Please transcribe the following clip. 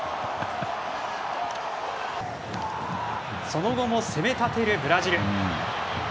その後も、攻めたてるブラジル。